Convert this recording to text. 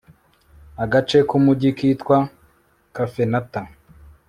agace k'umugi kitwa kafenata